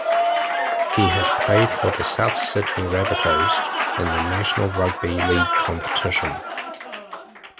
He has played for the South Sydney Rabbitohs in the National Rugby League competition.